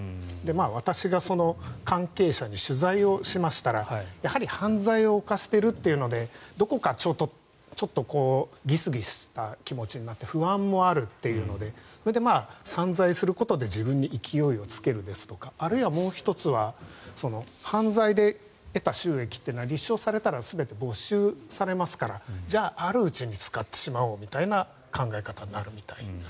私が関係者に取材をしましたらやはり犯罪を犯しているっていうのでどこかちょっとギスギスした気持ちになって不安もあるというのでそれで散在するということで自分に勢いをつけるですとかあるいはもう１つは犯罪で得た収益っていうのは立証されたら全て没収されますからじゃあ、あるうちに使ってしまおうみたいな考え方になるみたいです。